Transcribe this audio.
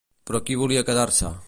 Però qui volia quedar-se?